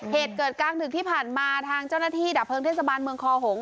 เหตุเกิดกลางดึกที่ผ่านมาทางเจ้าหน้าที่ดับเพลิงเทศบาลเมืองคอหง